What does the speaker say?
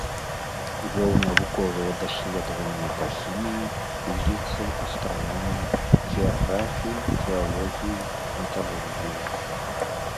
Вёў навуковыя даследаванні па хіміі, фізіцы, астраноміі, геаграфіі, геалогіі, металургіі.